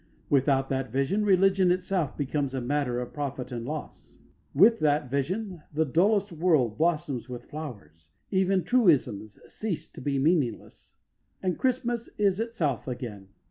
Without that vision religion itself becomes a matter of profit and loss. With that vision the dullest world blossoms with flowers; even truisms cease to be meaningless; and Christmas is itself again.